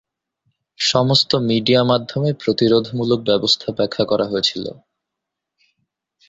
সমস্ত মিডিয়া মাধ্যমে প্রতিরোধমূলক ব্যবস্থা ব্যাখ্যা করা হয়েছিল।